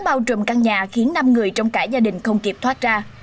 bao trùm căn nhà khiến năm người trong cả gia đình không kịp thoát ra